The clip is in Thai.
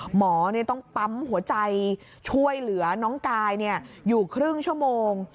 หมอต้องปั๊มหัวใจช่วยเหลือน้องกายอยู่ครึ่งชั่วโมง